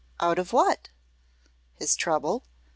"Out of what?" "His trouble."